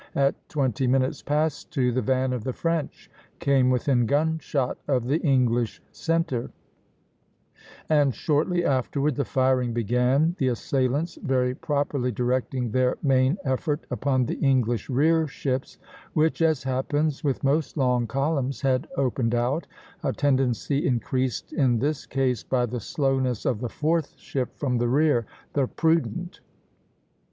At twenty minutes past two the van of the French came within gunshot of the English centre (B, B, B), and shortly afterward the firing began, the assailants very properly directing their main effort upon the English rear ships, which, as happens with most long columns, had opened out, a tendency increased in this case by the slowness of the fourth ship from the rear, the "Prudent."